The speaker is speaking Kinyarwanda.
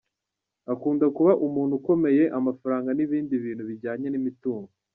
Akunda kuba umuntu ukomeye, amafaranga n’ibindi bintu bijyanye n’imitungo.